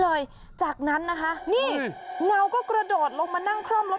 อ๋อซ้อนท้ายไปด้วยแบบนี้